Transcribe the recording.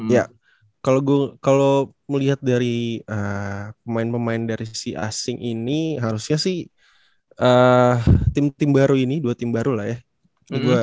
ya kalau melihat dari pemain pemain dari sisi asing ini harusnya sih tim tim baru ini dua tim baru lah ya